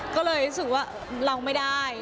ก็เลยรู้สึกว่าเราไม่ได้